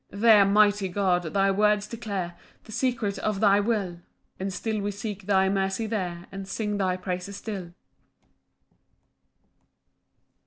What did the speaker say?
4 There, mighty God, thy words declare The secrets of thy will; And still we seek thy mercy there, And sing thy praises still.